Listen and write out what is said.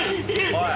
おい！